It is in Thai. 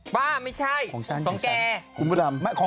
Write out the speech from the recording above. พ่อไม่ใช่ของแก